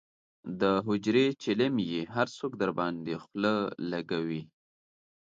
د حجرې چیلم یې هر څوک درباندې خله لکوي.